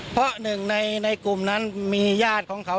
เพราะหนึ่งในกลุ่มนั้นมีญาติของเขา